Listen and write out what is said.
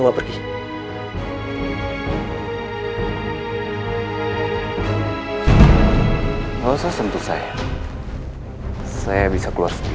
pak tata serventating friend